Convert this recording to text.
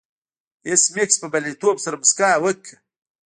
ایس میکس په بریالیتوب سره موسکا وکړه